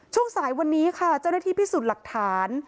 ช่วงสายวันนี้ค่ะเจ้าหน้าที่พิสูจน์หลักฐาน